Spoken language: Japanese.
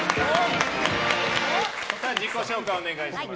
自己紹介をお願いします。